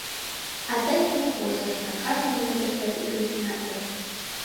А тыйым ме вурсышна — кажне минутышто ӱгынчынат дыр.